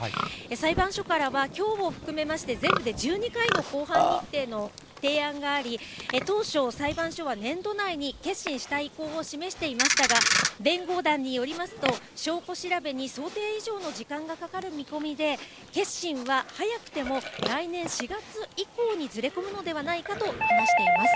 裁判所からはきょうを含めまして、全部で１２回の公判日程の提案があり、当初、裁判所は年度内に結審したい意向を示していましたが、弁護団によりますと、証拠調べに想定以上の時間がかかる見込みで、結審は早くても来年４月以降にずれ込むのではないかと話しています。